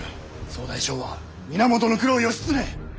総大将は源九郎義経。